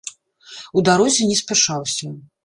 У дарозе не спяшаўся.